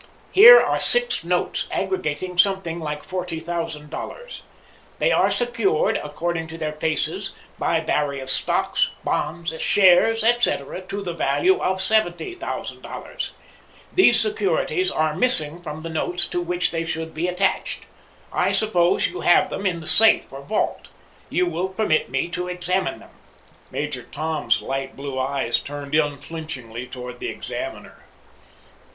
Here are six notes aggregating something like $40,000. They are secured, according to their faces, by various stocks, bonds, shares, etc. to the value of $70,000. Those securities are missing from the notes to which they should be attached. I suppose you have them in the safe or vault. You will permit me to examine them." Major Tom's light blue eyes turned unflinchingly toward the examiner.